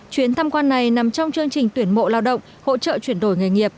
chuyến thăm quan này nằm trong chương trình tuyển mộ lao động hỗ trợ chuyển đổi nghề nghiệp